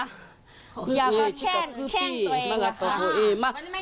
หย่าก็แช่งแช่งตัวเองค่ะ